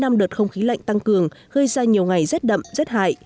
trong đợt không khí lạnh tăng cường gây ra nhiều ngày rét đậm rét hại